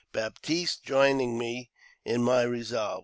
Baptiste joining me in my resolve.